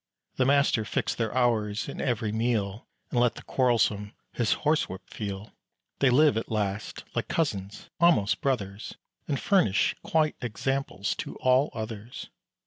The master fixed their hours, and every meal, And let the quarrelsome his horsewhip feel. They live, at last, like cousins, almost brothers, And furnish quite examples to all others.